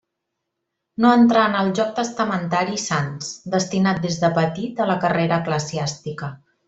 No entrà en el joc testamentari Sanç, destinat des de petit a la carrera eclesiàstica.